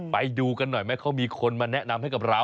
ไปดูกันหน่อยไหมเขามีคนมาแนะนำให้กับเรา